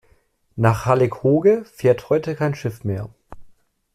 Nach Hallig Hooge fährt heute kein Schiff mehr.